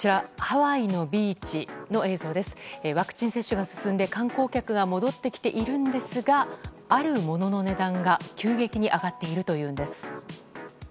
ワクチン接種が進んで、観光客が戻ってきているんですがある物の値段が急激に上がっているというんです。